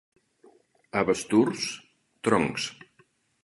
A Basturs, troncs.